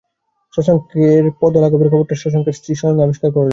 শশাঙ্কের পদলাঘবের খবরটা শশাঙ্কের স্ত্রী স্বয়ং আবিষ্কার করলে।